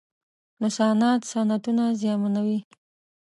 نوسانات صنعتونه زیانمنوي.